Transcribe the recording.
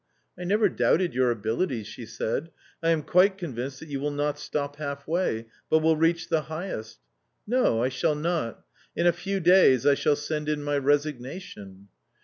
" I never doubted your abilities," she said. " I am quite convinced that you will not stop half way, but will reach the highest "" No, I shall not ; in a few days I shall send in my resig nation."